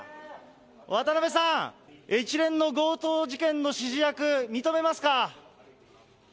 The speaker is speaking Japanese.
渡辺さん、一連の強盗事件の指示役、認めますか。